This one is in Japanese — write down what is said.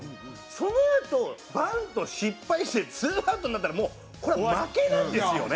そのあとバント失敗してツーアウトになったらもうこれは負けなんですよね。